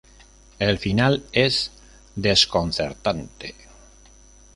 El final es desconcertante.